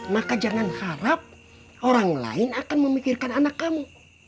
maka jangan harap orang lain akan memikirkan anak kamu